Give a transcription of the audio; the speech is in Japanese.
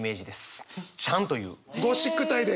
ゴシック体で？